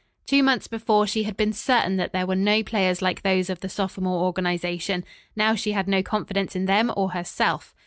Two months before, she had been certain that there were no players like those of the sophomore organization. Now she had no confidence in them or herself.